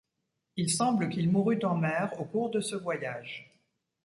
Il semble qu'il mourut en mer au cours de ce voyage.